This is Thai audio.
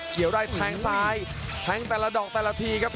เกี่ยวได้แทงซ้ายแทงแต่ละดอกแต่ละทีครับ